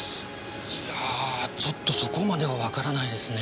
いやちょっとそこまではわからないですね。